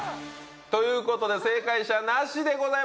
ということで正解者なしでございました。